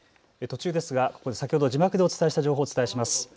途中ですが先ほど字幕でお伝えした情報をお伝えします。